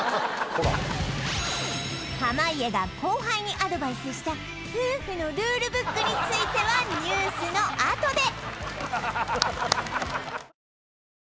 濱家が後輩にアドバイスした夫婦のルールブックについてはニュースのあとで！